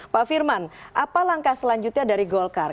pak firman apa langkah selanjutnya dari golkar